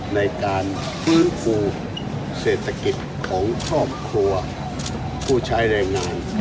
ในการฟื้นฟูเศรษฐกิจของครอบครัวผู้ใช้แรงงาน